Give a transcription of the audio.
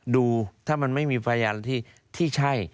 ดูถ้ามันไม่มีพยานที่ใช่